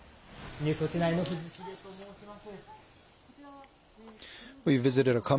ニュースウオッチ９の藤重と申します。